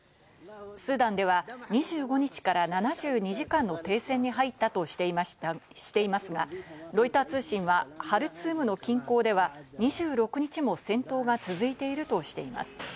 スーダンでは２５日から７２時間の停戦に入ったとしていますがロイター通信はハルツームの近郊では２６日も戦闘が続いているとしています。